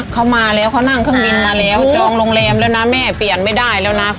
เขามาแล้วเขานั่งเครื่องบินมาแล้วจองโรงแรมแล้วนะแม่เปลี่ยนไม่ได้แล้วนะ